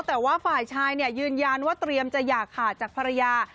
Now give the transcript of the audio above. แต่ว่าฝ่ายชายยืนยันว่าเตรียมจะอย่าขาดจากภรรยา